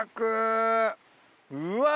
うわ！